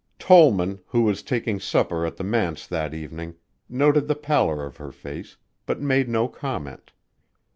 Tollman, who was taking supper at the manse that evening, noted the pallor of her face, but made no comment.